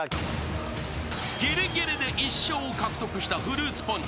［ぎりぎりで１笑を獲得したフルーツポンチ］